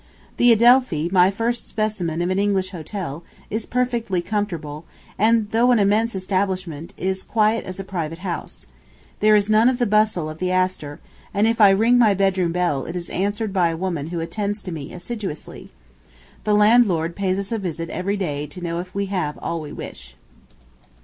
The Adelphi, my first specimen of an English hotel, is perfectly comfortable, and though an immense establishment, is quiet as a private house. There is none of the bustle of the Astor, and if I ring my bedroom bell it is answered by a woman who attends to me assiduously. The landlord pays us a visit every day to know if we have all we wish.